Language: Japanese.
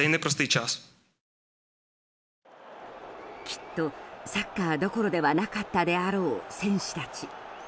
きっと、サッカーどころではなかったであろう選手たち。